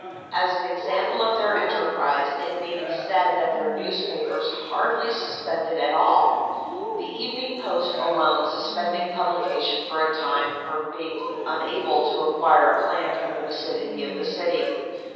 As an example of their enterprise, it may be said that their newspapers hardly suspended at all, the Evening Post alone suspending publication for a time from being unable to acquire a plant in the vicinity of the city.